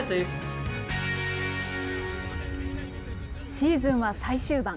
シーズンは最終盤。